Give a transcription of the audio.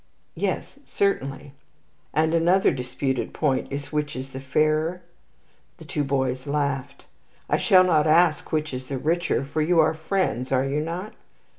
"'Yes, certainly.' "'And another disputed point is which is the fairer?' "The two boys laughed. "'I shall not ask which is the richer, for you are friends, are you not?'